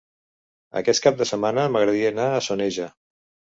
Aquest cap de setmana m'agradaria anar a Soneja.